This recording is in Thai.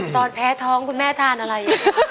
ตอนแพ้ท้องคุณแม่ทานอะไร